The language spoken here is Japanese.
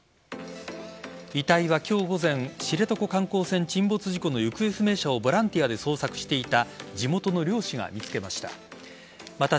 遺体は今日午前知床観光船沈没事故の行方不明者をボランティアで捜索していた地元の漁師が見つけました。